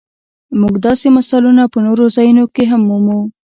موږ داسې مثالونه په نورو ځایونو کې هم مومو.